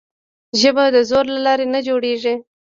ژبه د زور له لارې نه جوړېږي.